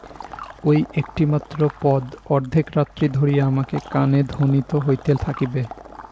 ঐ একটিমাত্র পদ অর্ধেক রাত্রি ধরিয়া আমার কানে ধ্বনিত হইতে থাকিবে।